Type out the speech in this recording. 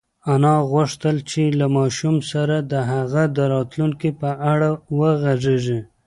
انا غوښتل چې له ماشوم سره د هغه د راتلونکي په اړه وغږېږي.